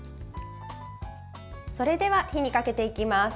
それでは火にかけていきます。